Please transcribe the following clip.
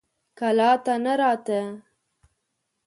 کلا ته نه راته.